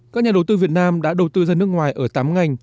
các nhà đầu tư việt nam đã đầu tư ra nước ngoài ở tám ngành